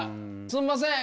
すんません。